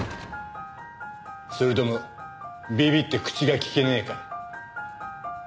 それともビビって口が利けねえか？